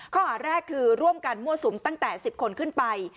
ข้อหาแรกคือร่วมกันมั่วสุมตั้งแต่๑๐คนขึ้นไป